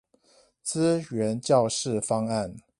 資源教室方案